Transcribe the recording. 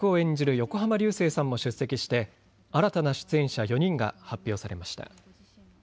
横浜流星さんも出席して新たな出演者４人が発表されました。